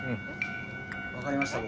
分かりました僕。